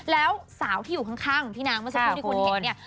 แล้วสาวที่อยู่ข้างพี่นางเมื่อสักครู่ที่คุณเห็นเนี่ย